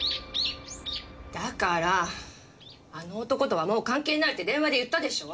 だからあの男とはもう関係ないって電話で言ったでしょ！？